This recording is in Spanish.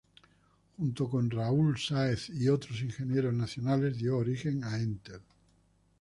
Junto con Raúl Sáez y otros ingenieros nacionales dio origen a Entel.